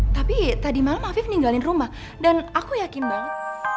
tapi tadi malam afif ninggalin rumah dan aku yakin banget